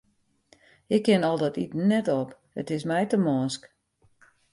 Ik kin al dat iten net op, it is my te mânsk.